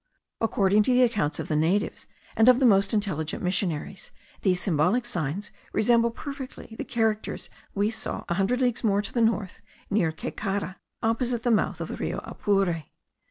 According to the accounts of the natives, and of the most intelligent missionaries, these symbolic signs resemble perfectly the characters we saw a hundred leagues more to the north, near Caycara, opposite the mouth of the Rio Apure.